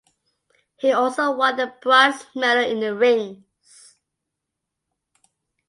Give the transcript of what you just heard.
He also won the bronze medal in the rings.